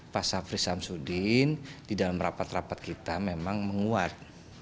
pak safri samsudin di dalam rapat rapat kita memang menguat